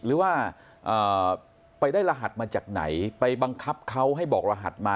หรือว่าไปได้รหัสมาจากไหนไปบังคับเขาให้บอกรหัสมา